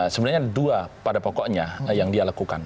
sebenarnya ada dua pada pokoknya yang dia lakukan